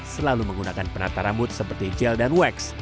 selalu menggunakan penata rambut seperti gel dan wax